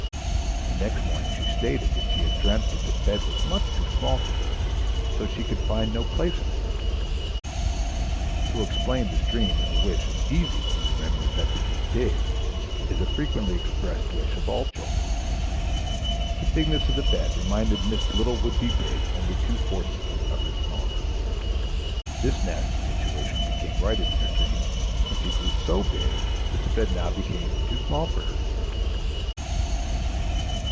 The next morning she stated that she had dreamt that the bed was much too small for her, so that she could find no place in it. To explain this dream as a wish is easy when we remember that to be "big" is a frequently expressed wish of all children. The bigness of the bed reminded Miss Little Would be Big only too forcibly of her smallness. This nasty situation became righted in her dream, and she grew so big that the bed now became too small for her.